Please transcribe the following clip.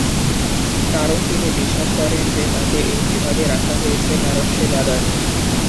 কারণ তিনি বিশ্বাস করেন যে "তাকে এই বিভাগে রাখা হয়েছে, কারণ সে বাদামী"।